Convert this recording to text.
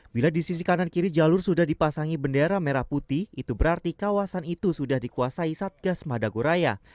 bila di sisi kanan kiri jalur sudah dipasangi bendera merah putih itu berarti kawasan itu sudah dikuasai satgas madagoraya